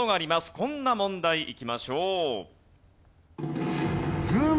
こんな問題いきましょう。